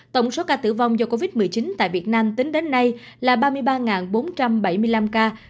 tổng số ca tử vong do covid một mươi chín tại việt nam tính đến nay là ba mươi ba bốn trăm bảy mươi năm ca